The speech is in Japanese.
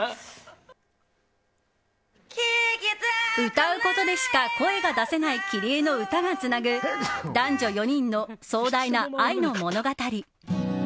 歌うことでしか声が出せないキリエの歌がつなぐ男女４人の壮大な愛の物語。